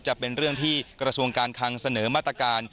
จะเป็นเรื่องที่กระทรวงการคังเสนอมาตรการ